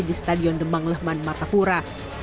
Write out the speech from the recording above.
di stadion demang lehman martapura